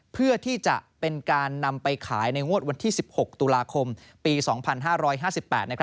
เพื่อที่จะเป็นการนำไปขายในงวดวันที่๑๖ตุลาคมปี๒๕๕๘นะครับ